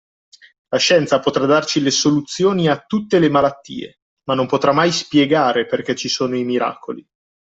La scienza potrà darci le soluzioni a tutte le malattie ma non potrà mai spiegare perché ci sono i miracoli.